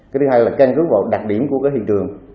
cái thứ hai là can cứu vào đặc điểm của cái hiện trường